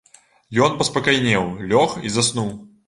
Ён паспакайнеў, лёг і заснуў.